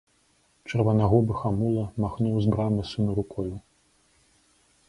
Чырванагубы хамула махнуў з брамы сыну рукою.